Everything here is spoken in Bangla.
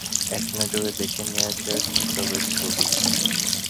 একনজরে দেখে নেওয়া যাক সেসবের ছবি।